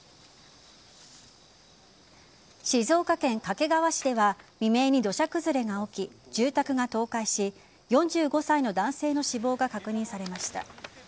静岡県掛川市では未明に土砂崩れが起き住宅が倒壊し４５歳の男性の死亡が確認されました。